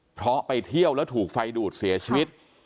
เพราะไปเที่ยวแล้วถูกไฟดูดเสียชีวิต